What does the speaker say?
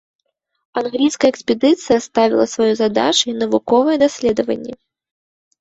Англійская экспедыцыя ставіла сваёй задачай навуковыя даследаванні.